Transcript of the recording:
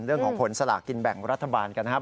เรื่องของผลสลากกินแบ่งรัฐบาลกันนะครับ